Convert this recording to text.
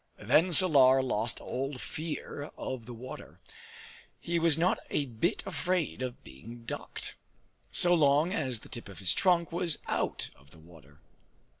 Then Salar lost all fear of the water; he was not a bit afraid of being ducked, so long as the tip of his trunk was out of the water.